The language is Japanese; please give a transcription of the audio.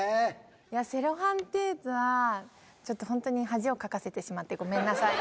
セロハンテープはちょっとホントに恥をかかせてしまってごめんなさい。